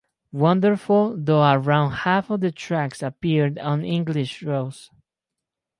Wonderful, though around half of the tracks appeared on English Rose.